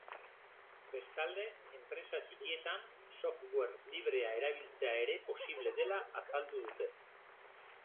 Bestalde, enpresa txikietan software librea erabiltzea ere posible dela azaldu dute.